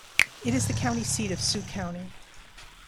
It is the county seat of Sioux County.